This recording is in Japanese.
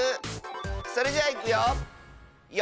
それじゃいくよ！